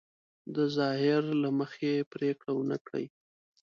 د ظاهر له مخې پرېکړه ونه کړي.